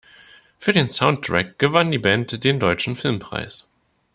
Für den Soundtrack gewann die Band den Deutschen Filmpreis.